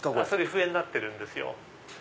笛になってるんですよ。